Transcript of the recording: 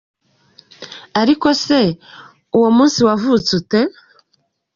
Aliko se uwo munsi wavutse ute?